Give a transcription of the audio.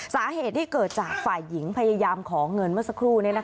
สาเหตุที่เกิดจากฝ่ายหญิงพยายามขอเงินเมื่อสักครู่